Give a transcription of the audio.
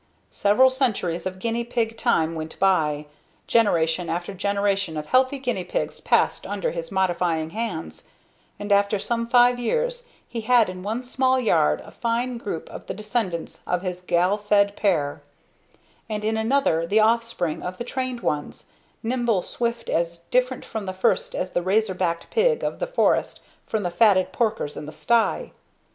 Several centuries of guinea pig time went by; generation after generation of healthy guinea pigs passed under his modifying hands; and after some five years he had in one small yard a fine group of the descendants of his gall fed pair, and in another the offspring of the trained ones; nimble, swift, as different from the first as the razor backed pig of the forest from the fatted porkers in the sty.